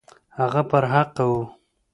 هغه پر حقه وو.